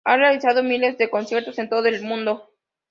Ha realizado miles de conciertos en todo el mundo.